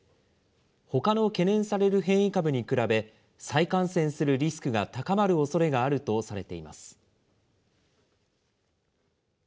ほかの懸念される変異株に比べ、再感染するリスクが高まるおそれがあるとされています。